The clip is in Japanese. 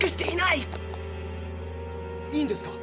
いいんですか？